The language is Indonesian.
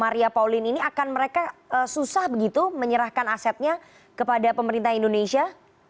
maria pauline ini akan mereka susah begitu menyerahkan asetnya kepada pemerintah indonesia